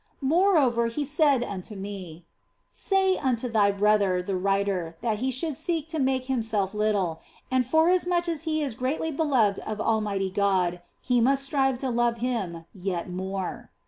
More over He said unto me, " Say unto thy brother the writer that he should seek to make himself little, and forasmuch as he is greatly beloved of Almighty God, he must strive to love Him yet more."